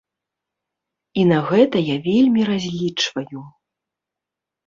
І на гэта я вельмі разлічваю.